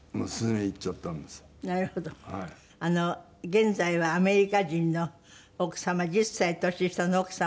現在はアメリカ人の奥様１０歳年下の奥様